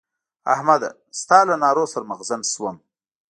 احمده! ستا له نارو سر مغزن شوم.